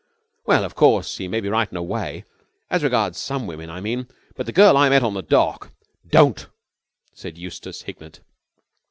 '" "Well, of course, he may be right in a way. As regards some women, I mean. But the girl I met on the dock " "Don't!" said Eustace Hignett.